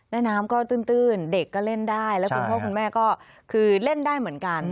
น้ำก็ตื้นเด็กก็เล่นได้แล้วคุณพ่อคุณแม่ก็คือเล่นได้เหมือนกัน